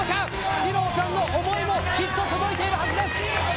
史朗さんの思いもきっと届いているはずです。